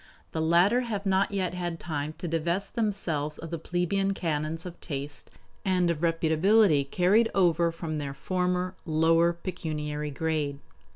The latter have not yet had time to divest themselves of the plebeian canons of taste and of reputability carried over from their former, lower pecuniary grade.